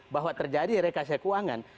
bahwa terjadi rekayasa keuangan